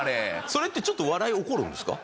それってちょっと笑い起こるんですか？